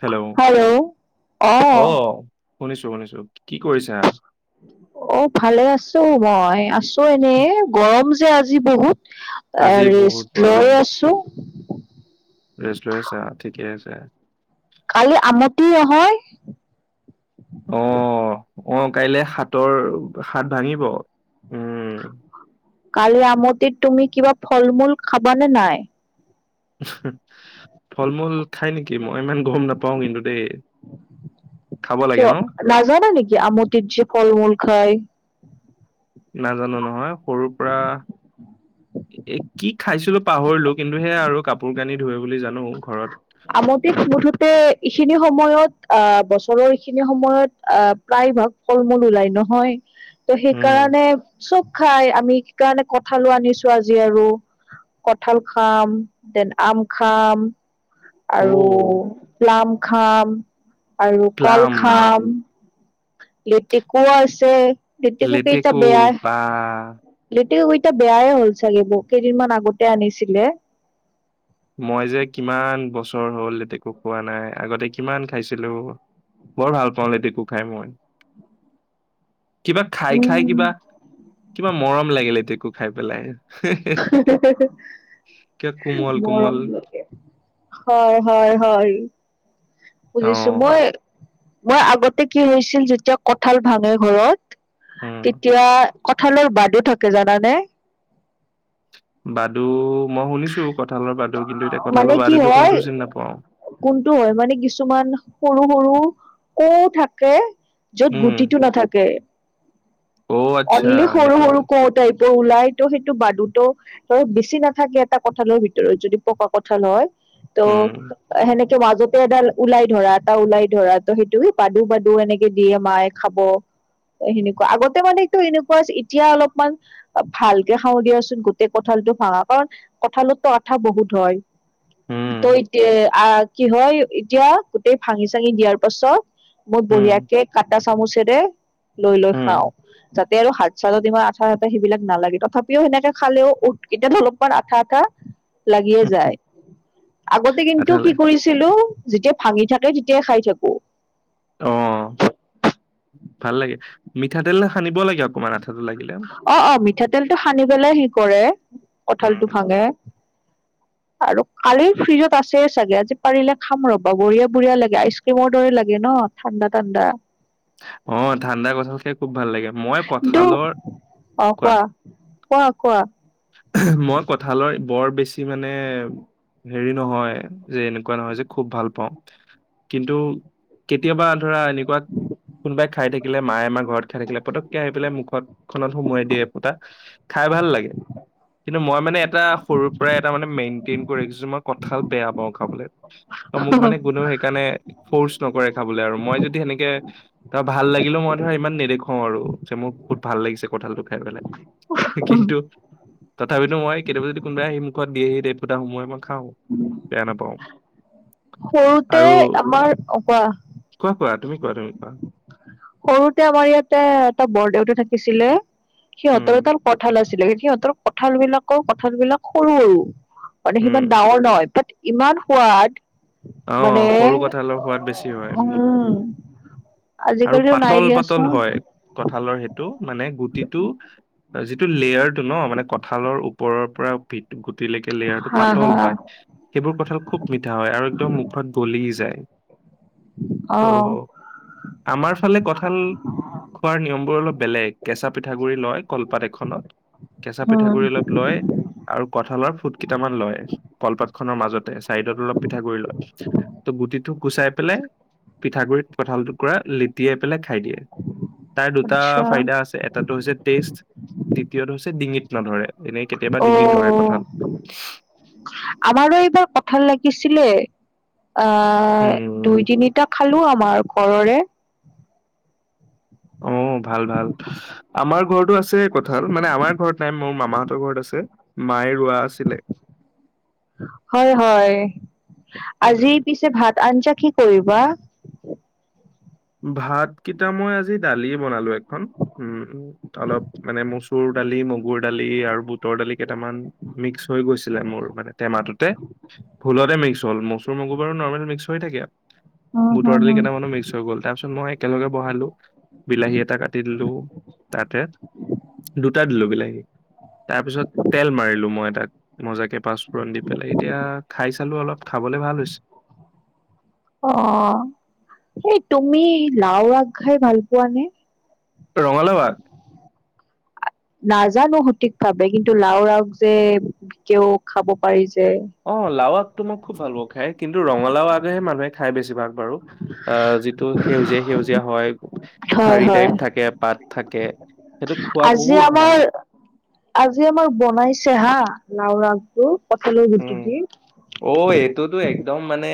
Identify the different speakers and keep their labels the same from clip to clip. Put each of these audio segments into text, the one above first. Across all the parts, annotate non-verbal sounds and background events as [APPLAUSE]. Speaker 1: Hello. অ শুনিছোঁ শুনিছোঁ কি কৰিছা?
Speaker 2: অ ভালে আছোঁ মই আছোঁ এনেই গৰম যে আজি বহুত এ
Speaker 1: আজি বহুত
Speaker 2: ৰেস্ত লৈ
Speaker 1: গৰম
Speaker 2: আছোঁ।
Speaker 1: ৰেষ্ট লৈ আছা ঠিকে আছে
Speaker 2: কালি আমতি [INAUDIBLE]
Speaker 1: অ অ কাইলে সাতৰ সাত ভাঙিব উ
Speaker 2: কালি আমটিত তুমি কিবা ফল মূল খাবানে নাই?
Speaker 1: ফল মূল খাই নেকি মই ইমান গম নাপাওঁ কিন্তু দেই। খাব লাগে
Speaker 2: কিয়
Speaker 1: ন
Speaker 2: নাজানা নেকি আমটিত যে ফল মূল খায়?
Speaker 1: নাজানো নহয় সৰুৰ পৰা এ কি খাইছিলোঁ পাহৰিলোঁ কিন্তু সে আৰু কাপোৰ কানি ধুই
Speaker 2: আমটিত মুঠতে এইখিনি সময়ত আহ বছৰৰ এইখিনি সময়ত আহ প্ৰায়ভাগ ফল মূল ওলাই নহয়। ত
Speaker 1: উম
Speaker 2: সেইকাৰণে চব খাই আমি সেই কাৰণে কঠালো আনিছোঁ আজি আৰু। কঁঠাল খাম দেন আম খাম।
Speaker 1: অ
Speaker 2: আৰু প্লাম খাম। আৰু কল
Speaker 1: প্লাম
Speaker 2: খাম লিটিকুৱা আছে লিটিকু কেইটা
Speaker 1: লেটেকু বা
Speaker 2: বেয়া তেওঁ এইটা বেয়াই হ'ল চাগে বহু কেইদিনমান আগতে আনিছিলে।
Speaker 1: মই যে কিমান বছৰ হ'ল লেটেকু খোৱা নাই, আগতে কিমান খাইছিলো। বৰ ভাল পাওঁ লেটেকু খাই মই। কিবা খাই খাই
Speaker 2: উম
Speaker 1: কিবা কিবা মৰম লাগিল লেটেকু খাই পেলাই। কিবা কোমল
Speaker 2: [UNINTELLIGIBLE]
Speaker 1: কোমল
Speaker 2: মৰম লগে। হয় হয় হয়।
Speaker 1: অ
Speaker 2: বুজিছো মই মই আগতে কি হৈছিল যেতিয়া কঠাল ভাঙে ঘৰত
Speaker 1: উম
Speaker 2: তেতিয়া কঁঠালৰ বাদো থাকে জানানে?
Speaker 1: বাদু মই শুনিছো কঁঠালৰ বাদু কিন্তু এতিয়া
Speaker 2: মানে
Speaker 1: কঁঠালৰ
Speaker 2: কি
Speaker 1: বাদুতটো
Speaker 2: হয়
Speaker 1: কোনটো চিনি নাপাও।
Speaker 2: কোনটো হয় মানে কিছুমান সৰু সৰু ক' থাকে য'ত
Speaker 1: উম
Speaker 2: গুটিটো নাথাকে।
Speaker 1: অ আচ্ছা
Speaker 2: অনলি সৰু
Speaker 1: সেইটো
Speaker 2: সৰু ক'টাইপ। ত, ওলাইতো সেইটো বাদুটো বাৰু বেছি নাথাকে এটা কঠালৰ ভিতৰত যদি পকা কঠাল হয়। ত'
Speaker 1: উম
Speaker 2: সেনেকে। ত, মাজতে এডাল ওলাই ধৰা এটা ওলাই ধৰা ত, সেইটো পাদু বাদু এনেকে দিয়ে মাই খাব সেনেকুৱা আগতে মানে এনেকুৱা এতিয়া অলপমান ভালকে খাওঁ দিয়াচোন গোটেই কঁঠালটো ভাঙা কাৰণ কঁঠাল ত, আঠা বহুত হয়। ত,
Speaker 1: উম
Speaker 2: এতিয়া আহ কি হয় এতিয়া গোটেই ভাঙি চাঙি দিয়াৰ পাছত মই
Speaker 1: উম
Speaker 2: বঢ়িয়াকে কাটা চামুচেৰে লৈ লৈ
Speaker 1: উম
Speaker 2: খাও। তেৰ হাত চালত ইমান আঠা আঠা সেইবিলাক নালাগে তথাপিও সেনেকে খালেও উঠ, কিটা অলপমান আঠা আঠা লাগিয়ে যায়। আগতে কিন্তু
Speaker 1: আঠালে
Speaker 2: কি কৰিছিলো, যেতিয়া ভাঙি থাকে তেতিয়াই খাই থাকো।
Speaker 1: অ', ভাল লাগে মিঠাতেল সানিব লাগে অকমান আথ
Speaker 2: অ', অ', মিঠাতেলটো সানি পেলাই সি কৰে কঠালটো
Speaker 1: উম
Speaker 2: ভাঙে। [UNINTELLIGIBLE] আৰু কালিৰ ফ্ৰিজত আছে চাগে। আজি পাৰিলে খাম ৰবা বঢ়িয়া বঢ়িয়া লাগে, আইচক্ৰিমৰ দৰে লাগে ন? অ', ঠাণ্ডা ঠাণ্ডা।
Speaker 1: অ', ঠাণ্ডা কঁঠাল খাই খুব ভাল লাগে। মই
Speaker 2: কিন্তু
Speaker 1: কঠালৰ
Speaker 2: অ', কোৱা, কোৱা কোৱা?
Speaker 1: মই কঠালৰ বৰ বেছি মানে হেৰি নহয় যে এনেকুৱা নহয় যে খুব ভাল পাওঁ। কিন্তু কেতিয়াবা ধৰা এনেকুৱা কোনোবাই খাই থাকিলে মায়ে আমাৰ ঘৰত খাই থাকিলে পটককে আহি পেলাই মুখতখনত সোমোৱাই দিয়ে পোতা খাই ভাল লাগে।
Speaker 2: [INAUDIBLE]
Speaker 1: কিন্তু মই মানে এটা সৰুৰ পৰাই এটা মানে মেইনটেইন কৰি ৰাখিছো, মই কঁঠাল বেয়া পাওঁ খাবলৈ। ত, মোক মানে কোনেও সেইকাৰণে ফৰ্চ নকৰে খাবলৈ আৰু। মই যদি সেনেকে ধৰা ভাল লাগিলেও মই ধৰা ইমান নেদেখুৱও আৰু যে মোৰ বহুত ভাল লাগিছে কঁঠালটো খাই। হয়নে? কিন্তু তথাপিতো মই কেতিয়াবা যদি কোনোবাই আহি মুখত দি আহি দে ফুতা সমোৱাই মাক খাওঁ, বেয়া নাপাওঁ।
Speaker 2: সৰুতে
Speaker 1: আৰু
Speaker 2: আমাৰ অ কোৱা
Speaker 1: কোৱা কোৱা তুমি কোৱা তুমি কোৱা?
Speaker 2: সৰুতে আমাৰ ইয়াতে এটা বৰ দেউতা থাকিছিলে,
Speaker 1: উম
Speaker 2: সিহঁতৰ তাৰ কঁঠাল আছিল। আছিলে সিহঁতৰ কঠাল বিলাকৰ কঁঠাল বিলাক সৰু সৰু মানে
Speaker 1: উম
Speaker 2: সিমান ডাঙৰ নহয় বাট ইমান সোৱাদ মানে
Speaker 1: আহ সৰু কথা অলপ হোৱাদ বেছি হয়।
Speaker 2: উম
Speaker 1: আৰু
Speaker 2: আজিকালিও নাই
Speaker 1: পাতল পাতল
Speaker 2: দিয়াচোন
Speaker 1: হয় কঠালৰ সেইটো মানে গুটিটো যিটো লেয়াৰ টো ন মানে কঁঠালৰ ওপৰৰ পৰা ভিত তিলেকে লেয়াৰ টো
Speaker 2: হা হা
Speaker 1: পাতল হয় সেইবোৰ কঁঠাল খুব মিঠা হয় আৰু একদম মুখত গলি যায়
Speaker 2: অ
Speaker 1: ত' আমাৰ ফালে কঠাল খোৱাৰ নিয়ম অলপ বেলেগ কেঁচা পিঠাগুডৰি লয় কলপাত এখনত কেঁচা
Speaker 2: উম
Speaker 1: পিঠাগুৰি অলপ লয় আৰু কঁঠালৰ ফুট কেইটামান লয় কলপাত খনৰ মাজতে চাইডত অলপ পিঠাগুড় লয় ত গুটিটো গুচাই পেলাই পিঠাগুৰিত কঠাল টুকুৰা লেটিয়াই পেলাই খাই দিয়ে। তাৰ দুটা
Speaker 2: আচ্ছা
Speaker 1: ফাইদা আছে এটাটো হৈছে টেষ্ট দ্বিতীয়টো হৈছে ডিঙিত নধৰে। এনেই কেতিয়াবা
Speaker 2: অ
Speaker 1: ডিঙিত ধৰে কঠাল
Speaker 2: শিকিছিলে আহ দুই
Speaker 1: উম
Speaker 2: তিনিটা খালো আমাৰ ঘৰৰে
Speaker 1: অ ভাল ভাল আমাৰ ঘৰতটো আছে কঠাল মানে আমাৰ ঘৰত নাই মোৰ ম মাহতৰ ঘৰত আছে, মায়ে ৰোৱা আছিলে।
Speaker 2: হয়, হয়, আজি
Speaker 1: উম
Speaker 2: পিছে ভাত আঞ্জা কি কৰিবা?
Speaker 1: ভাতকেইটা মই আজি দালি বনালো এখন, উম অলপ মানে মচুৰ দালি, মগুৰ দালি আৰু বুটৰ দালি কেইটামান মিক্স হৈ গৈছ ছিলে মোৰ মানে টেমাটোতে, ভুলতে মিক্স হ'ল, মচুৰ, মগু বাৰু নৰ্মেল মিক্স হৈ থাকে।
Speaker 2: উম,
Speaker 1: বুটৰ
Speaker 2: হম,
Speaker 1: দালি
Speaker 2: হম।
Speaker 1: কেইটামানো মিক্স হৈ গল, তাৰ পিছত মই একেলগে বহালো, বিলাহী এটা কাটি দিলো তাতে। দুটা দিলোঁ বিলাসি তাৰ পিছত তেল মাৰিলো মই এ তাক মজাকে পাঁচপোৰণ দি পেলাই এতিয়া খাই চালো অলপ খাব যাবলে ভাল হৈছে
Speaker 2: হয় অ সেই তুমি লাও আগ খাই ভাল পোৱা নে
Speaker 1: ৰঙালাও আগ
Speaker 2: নাজানো সঠিক ভাৱে কিন্তু লাও আগটো যে কও খাব পাৰি যে
Speaker 1: অ লাও আগটো মই খুব ভাল পাওঁ খাই কিন্তু ৰঙালাও আগেহে মানুহে খাই বেছি বাৰু, অ যিটো সেউজীয়া-সেউজীয়া হয়,
Speaker 2: হয়,
Speaker 1: থাৰি
Speaker 2: হয়।
Speaker 1: টাইপ থাকে, পাত থাক
Speaker 2: আজি আমাৰ আজি আমাৰ বনাইছে হা, লাও ৰাসটো, কঠলৰ গুটি
Speaker 1: উম
Speaker 2: দি।
Speaker 1: অ, এইটোতো একদম মানে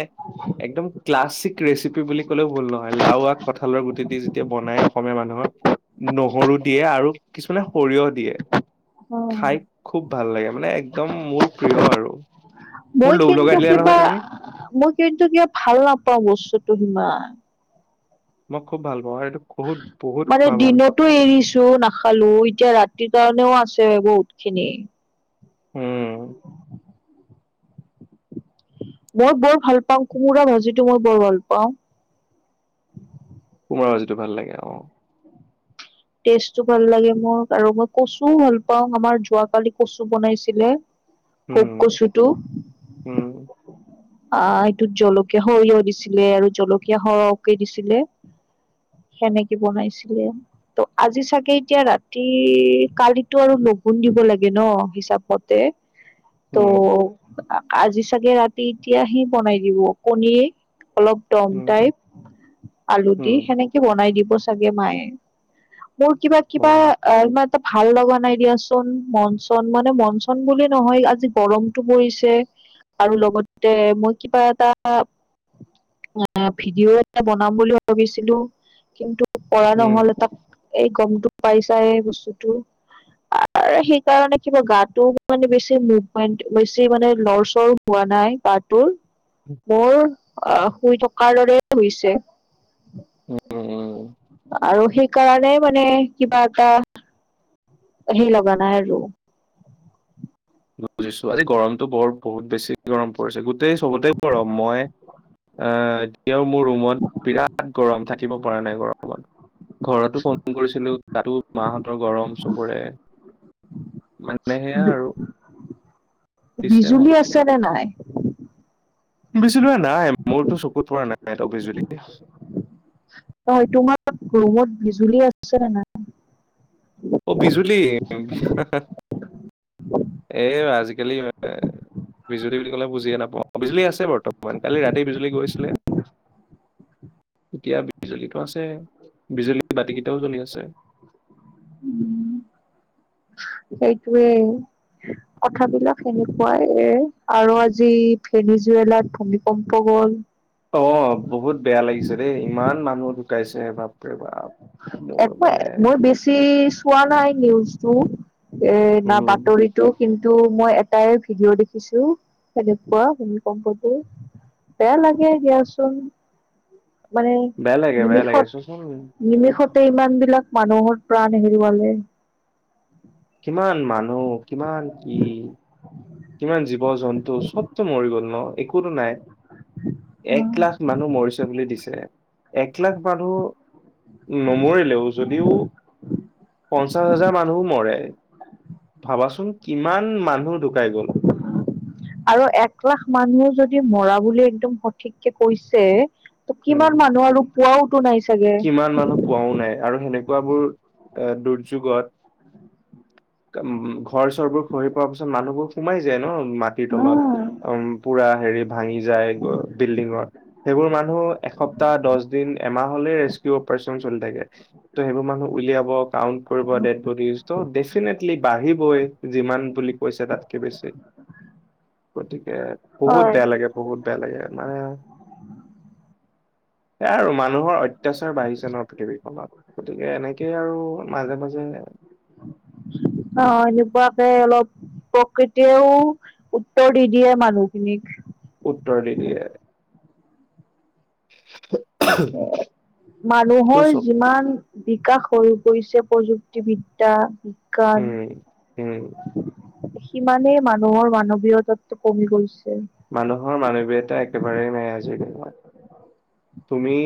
Speaker 1: একদম ক্লাছিক ৰেচিপি বুলি ক'লেও ভুল নহয়, লাও আগ কঁঠালৰ গুটি দি যেতিয়া বনাই অসমীয়া মানুহক নহৰু দিয়ে আৰু কিছুমানে সৰিয়হ দিয়ে,
Speaker 2: অ
Speaker 1: খাই খুব ভাল লাগে মানে একদম মোৰ প্ৰিয় আৰু। মোৰ
Speaker 2: মই
Speaker 1: লোভ
Speaker 2: কিন্তু
Speaker 1: লগাই দিলা নহয়
Speaker 2: কিবা
Speaker 1: তুমি
Speaker 2: মই কিন্তু কিবা ভাল নাপাওঁ বস্তুটো সিমান।
Speaker 1: মই খুব ভাল পাওঁ আৰু এইটো বহুত বহুত
Speaker 2: মানে
Speaker 1: খোৱা ভাল
Speaker 2: দিনতো এৰিছো নাখালো এতিয়া ৰাতিৰ কাৰণেও আছ বহুতখিনি
Speaker 1: উম।
Speaker 2: মই বৰ ভাল পাওঁ, কোমোৰা ভাজিটো মই বৰ ভাল পাওঁ।
Speaker 1: মোৰ ভাজিটো ভাল লাগে অ।
Speaker 2: টেষ্টটো ভাল লাগে মোৰ আৰু মই কচুও ভাল পাওঁ, আমাৰ যোৱাকালি কচু বনাইছিলে। পোক
Speaker 1: উম
Speaker 2: কচুটো।
Speaker 1: উম
Speaker 2: আহ এইটোত জলকীয়া, সৰিয়হ দিছিলে আৰু জলকীয়া সৰহকে দিছিলে। সেনেকে বনাইছিলে। ত আজি চাগে এতিয়া ৰাতি কালিতো আৰু লগুণ দিব লাগে ন হিচাপতে। ত'
Speaker 1: উম
Speaker 2: আজি চাগে ৰাতি এতিয়া সি বনাই দিব কণী অলপ দম
Speaker 1: উম
Speaker 2: টাইপ আলু দি
Speaker 1: উম
Speaker 2: সেনেকে বনাই দিব চাগে মায়ে। মোৰ কিবা, কিবা অ এ ভাল লগা নাই দিয়াচোন, মন-চন, মানে মন-চন বুলি নহয়, আজি গৰমটো পৰিছে। আৰু লগতে মই কিবা এটা আহ ভিডিঅ' এটা বনাম বুলি ভাবিছিলো, কিন্তু পৰা
Speaker 1: উম
Speaker 2: নহল এটা এই গমটো পাইছায়ে বস্তুটো। আৰু সেইকাৰণে কিবা গাটো মানে বেছি মুভমেন্ট, বেছি মানে লৰচৰ হোৱা নাই গাটো, মোৰ শুই থকাৰ দৰে হৈছে।
Speaker 1: উম।
Speaker 2: আৰু সেইকাৰণে মানে কিবা এটা সেই লগা নাই আৰু।
Speaker 1: বুজিছো আজি গৰমটো বৰ বহুত বেছি গৰম পৰিছে, গোটেই চবতে গৰম মই আহ, এতিয়াও মোৰ ৰুমত বিৰাট গৰম থাকিব পৰা নাই গৰমত। ঘৰতো ফোন কৰিছিলো তাতো মাহঁতৰ গৰম চবৰে। মানে সেয়া আৰু। দিছে
Speaker 2: বিজুলী
Speaker 1: ভালকে
Speaker 2: আছেনে নাই?
Speaker 1: বিজুলী নাই মোৰতো চকুত পৰা নাই ত বিজুলী
Speaker 2: হয়, তোমাৰ? ৰুমত বিজুলী আছে নাই?
Speaker 1: অ বিজুলী গেল ম। বিজুলী বুলি ক'লে বুজিয়ে নাপাওঁ বিজুলী আছে বৰ্তমান কালি ৰাতি বিজুলী গৈছিলে। এতিয়া বিজুলীটো আছে বিজুলী বাতি কেইটাও জ্বলি আছে।
Speaker 2: সেইটোয়ে। কথাবিলাক সেনেকুৱায়ে আৰু আজি ভেনী জুৱেলাত ভূমিকম্প গ'ল।
Speaker 1: অ' বহুত বেয়া লাগিছে দেই, ইমান মানুহ ঢুকাইছে বাপৰেবাপ।
Speaker 2: একৱে, মই বেছি চোৱা নাই নিউজটো। এ'না
Speaker 1: উম
Speaker 2: বাতৰিটো কিন তু মই এটাই ভিডিঅ' দেখিছো সেনেকুৱা ভূমিকম্পটো। বেয়া লাগে দিয়াচোন মানে
Speaker 1: বেয়া লাগে বেয়া লাগে
Speaker 2: নিমিষত।
Speaker 1: চোৱাচোন
Speaker 2: নিমিষতে ইমান বিলাক মানুহৰ প্ৰাণ হেৰুৱালে।
Speaker 1: কিমান মানুহ কিমান কি। কিমান জীৱ জন্তু চবতো মৰি গ'ল ন একো নাই। এক
Speaker 2: অ',
Speaker 1: লাখ মানুহ মৰিছে বুলি দিছে। এক লাখ মানুহ নমৰিলেও যদিও, পঞ্চাশ হাজাৰ মানুহ মৰে ভাবাচোন কিমান মানুহ ঢুকাই গ'ল।
Speaker 2: আৰু এক লাখ মানুহ যদি মৰা বুলি একদম সঠিককে কৈছে। ত
Speaker 1: উম,
Speaker 2: কিমান মানুহ আৰু পুৱও।
Speaker 1: কিমান মানুহ পোৱাও নাই আৰু সেনেকুৱাবোৰ এ, দুৰ্যোগত। উ' ঘৰ চৰবোৰ খহি পোৱাৰ পিছত মানুহবোৰ। সোমাই যায় ন, মাটিৰ তলত
Speaker 2: হয়
Speaker 1: অ'পুৰা হেৰি। ভাঙি যায় বিল্ডিঙৰ সেইবোৰ মানুহ এসপ্তাহ দহ' দিন এমাহ হলে। ৰেস্কিউ ত সেইবোৰ মানুহ উলাইব কাম কৰিব। ফটল বাঢ়িবই যিমান বুলি কৈছে তাতকে বেছি, গতিে বহুত বেয়া লাগে, বহুত বেয়া লাগে মানে। সে আৰু মানুহৰ অত্যাচাৰ বাঢ়িছে নহ পৃথিৱীখনত। গতিকে এনেকেই আৰু। মাজে মাজে
Speaker 2: অ এনেকুৱুৱাকে অলপ। প্ৰকৃতিয়ও উত্তৰ দি দিয়ে মানুহখিনিক।
Speaker 1: উত্তৰ দি দিয়ে। এইটো
Speaker 2: মানুহৰ
Speaker 1: চব
Speaker 2: যিমান। বিকাশ হৈ গৈছে প্ৰযুক্তিবিদ্্যা। কণ
Speaker 1: উম উম
Speaker 2: সিমানেই মানুহৰ মানৱীয়তাতটো কমি গৈছে
Speaker 1: মানুহৰ মানৱীয়তা একেবাৰেেই নাই আজিৰ দিনত তুমি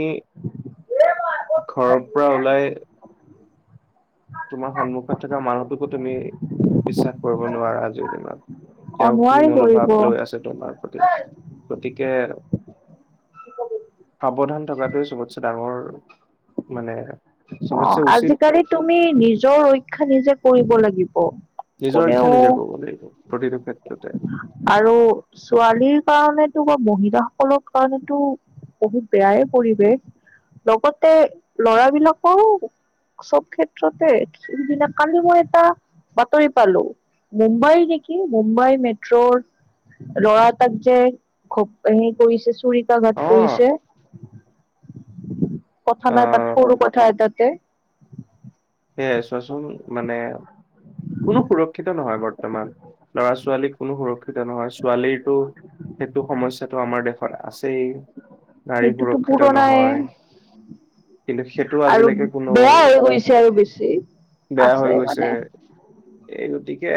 Speaker 1: ঘৰৰ পৰা ওলাই তোমাৰ সন্মুখত থকা মানুহটোকো তুমি বিশ্বাস কৰিব নোৱাৰা আজিৰ দিনত
Speaker 2: অ
Speaker 1: তেওঁ কি
Speaker 2: নোৱাৰি কৰিব
Speaker 1: মনোভাৱ লৈ আছে তোমাৰ প্ৰতি গতিকে সাৱধান থকাটে চবতছেে ডাঙৰ মানে
Speaker 2: অ
Speaker 1: চবতছে উচিত
Speaker 2: আজিকালি তুমি নিজৰ ৰক্ষা নিজে কৰিব লাগিব
Speaker 1: নিজৰ
Speaker 2: কোনেও
Speaker 1: ইিক্ষা নিজে কব লাগিব প্ৰতিটো ক্ষেত্ৰতে
Speaker 2: আৰু ছোৱালীৰ কাৰণেতো বা মহিলাসকলৰ কাৰণেতো বহুত বেয়াই পৰিৱেশ লগতে লৰাবলাকৰো সব ক্ষেত্ৰতেদিনা কালি মৰিটা বাতৰি পালো মুম্বাই নেকি মুম্বাই মে লৰাটাক যে হ কৰিছে চুৰিকা ঘাট
Speaker 1: অ
Speaker 2: কৰিছে। কথা নাই
Speaker 1: আহ
Speaker 2: পাত সৰু কথা এতাতে।
Speaker 1: সেয়াই চোৱাচোন মানে কোনো সুৰক্ষিত নহয় বাৰু। বৰ্তমান ল'ৰা ছোৱালী কোনো সুৰক্ষিত নহয়। ছোৱালীৰতো সেইটো সমস্যাটো আমাৰ দেশত আছেই। নাৰী
Speaker 2: সেইটোতো
Speaker 1: সুৰক্ষিত
Speaker 2: পুৰণাই
Speaker 1: নহয় কিন্তু সেইটো
Speaker 2: আৰু
Speaker 1: আজিলৈকে কোনো
Speaker 2: বেয়া হৈ গৈছে আৰু বেছি
Speaker 1: বেয়া হৈ
Speaker 2: আছে
Speaker 1: গৈছে
Speaker 2: মানে
Speaker 1: এই গতিকে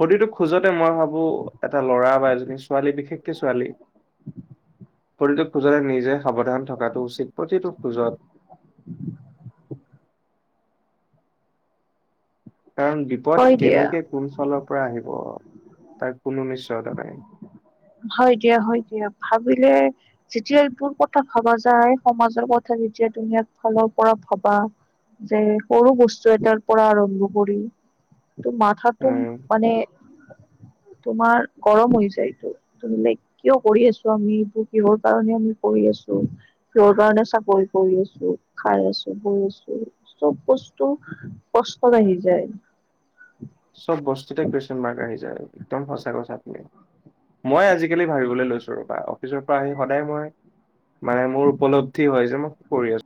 Speaker 1: প্ৰতিটো খোজতে মই ভাবো এটা ল'ৰা বা এজনী ছোৱালী বিশেষকে ছোৱালী শৰীৰটো খোজৰে নিজে সাৱধান থকাটো উচিত প্ৰতিটো খোজত কাৰণ বিপদ
Speaker 2: হয় দিয়া
Speaker 1: কেনেকে কোন চলৰ পৰা আহিব তাক পুোন নিশ্চয়তা নাই
Speaker 2: হয় দিয়া হয় দিয়া ভাবিলে যেতিয়া এইবোৰ কথা ভাবা যায় সমাজৰ কথা যে তুমি এক ফালৰ পৰা ভাবা যে সৰু বস্তু এটাৰ পৰা আৰম্ভ কৰি টো মাথা তো
Speaker 1: উম,
Speaker 2: মানে তোমাৰ গৰম হৈ যায়টো। ত' মানে কিয় কৰি আছো আমি এইতো কিহৰ কাৰনেে আমি কৰি আছো, কিহৰ কাৰনে চাকৰি কৰি আছো খাই আছো বৈ আছো চব বস্তু কষ্টত আহি যায়। উ
Speaker 1: চব বস্তুতে কুৱেশন মাৰ্ক আহি যায়, একদম সঁচা কথা। আপুনি মই আজি কলৈ ভবিবলৈ লৈছো, ৰবা অফিচৰ পৰা আহি সদায় মই মানে মোৰ উপলদ্ধি হয় যে মই কৰি আছো।